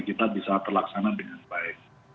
kita bisa terlaksana dengan baik